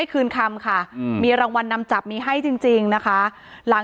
อ๋อเจ้าสีสุข่าวของสิ้นพอได้ด้วย